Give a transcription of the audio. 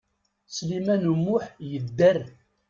Sliman U Muḥ yedder.